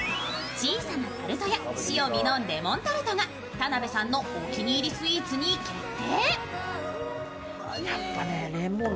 小さなタルト屋シオミのレモンタルトが田辺さんのお気に入りスイーツに決定。